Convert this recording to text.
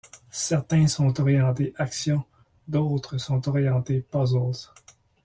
Certains sont orientés action, d'autres sont orientés puzzles.